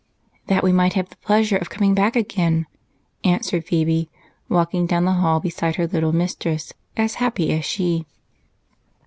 "That we might have the pleasure of coming back again," answered Phebe, walking down the hall beside her little mistress, as happy as she.